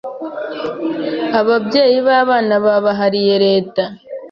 Ababyeyi babana babahariye leta